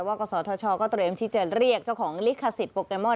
แต่ว่าสธก็ตรวมที่จะเรียกเจ้าของลิขสิทธิ์โปเกมอน